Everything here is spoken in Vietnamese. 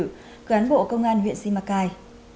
gán bộ công an huyện simacai